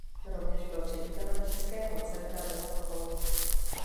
Rovněž byl ředitelem českého centra ve Stockholmu.